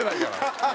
ハハハハ！